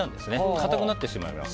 かたくなってしまいます。